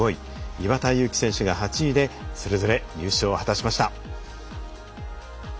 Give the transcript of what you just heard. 岩田悠希選手が８位でそれぞれ入賞を果たしました。